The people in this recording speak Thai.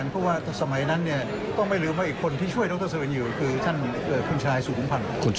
ในสมัยนั้นเนี่ยต้องไม่ลืมว่าอีกคนที่ช่วยดรซุรินทร์อยู่คือท่านคุณชายสุภุพรรณ